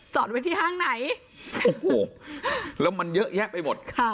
ไว้ที่ห้างไหนโอ้โหแล้วมันเยอะแยะไปหมดค่ะ